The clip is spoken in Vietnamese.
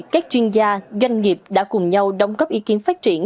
các chuyên gia doanh nghiệp đã cùng nhau đóng góp ý kiến phát triển